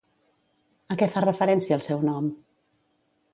A què fa referència el seu nom?